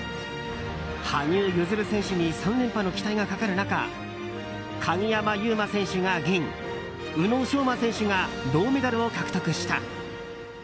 羽生結弦選手に３連覇の期待がかかる中鍵山優真選手が銀宇野昌磨選手が銅メダルを獲得した。